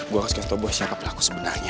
gue harus kasih tau boy siapa pelaku sebenarnya